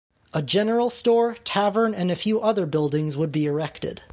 A general store, tavern, and a few other buildings would be erected.